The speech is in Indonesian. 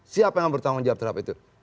siapa yang bertanggung jawab terhadap itu